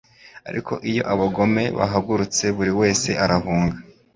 ariko iyo abagome bahagurutse buri wese arahunga